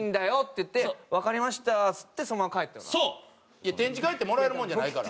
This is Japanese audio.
いや展示会ってもらえるもんじゃないから。